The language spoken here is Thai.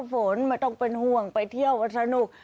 ฝนไม่ต้องเป็นห่วงไปเที่ยวกันสนุก